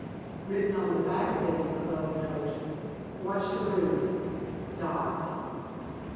WRITTEN ON THE BACK OF THE ABOVE NOTE. Watch the roof. Dodds.